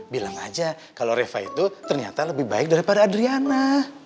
bilang aja kalau reva itu ternyata lebih baik daripada adriana